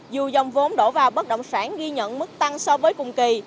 dù dòng vốn đổ vào bất động sản ghi nhận mức tăng so với cùng kỳ